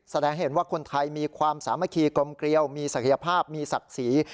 แสดงเห็นว่าคนไทยมีความสามัคคีกลมเกลียวมีศักยภาพมีศักดิ์ศรี